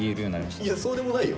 いやそうでもないよ。